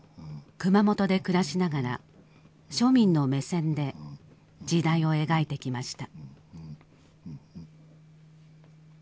熊本で暮らしながら庶民の目線で時代を描いてきました。